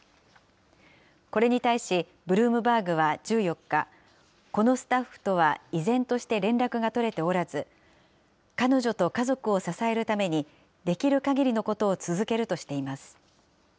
これに対し、ブルームバーグは１４日、このスタッフとは依然として連絡が取れておらず、彼女と家族を支えるためにできるかぎりのことを続けるとしています。